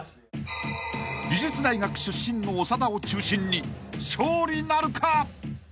［美術大学出身の長田を中心に勝利なるか？］